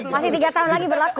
masih tiga tahun lagi berlaku